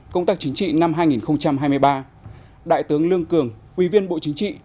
công tác chính trị năm hai nghìn hai mươi ba đại tướng lương cường ủy viên bộ chính trị